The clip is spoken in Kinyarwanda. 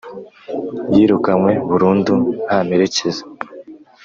yirukanywe burundu nta mperekeza,